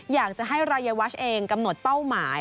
อยากจะให้รายวัชเองกำหนดเป้าหมาย